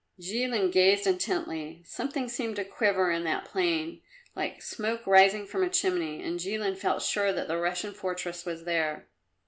Jilin gazed intently; something seemed to quiver in that plain, like smoke rising from a chimney, and Jilin felt sure that the Russian fortress was there.